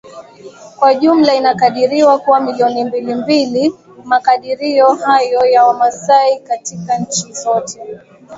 kwa jumla inakadiriwa kuwa milioni mbili mbili Makadirio hayo ya Wamasai katika nchi zote